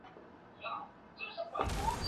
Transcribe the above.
柴液机车成为营运主流。